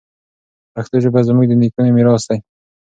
پښتو ژبه زموږ د نیکونو میراث دی.